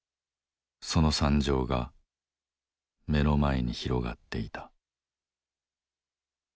その惨状が目の前に広がっていた。